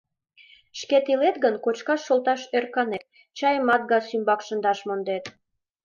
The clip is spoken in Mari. Шкет илет гын, кочкаш шолташат ӧрканет, чайымат газ ӱмбак шындаш мондет.